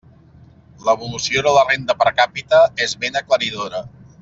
L'evolució de la renda per càpita és ben aclaridora.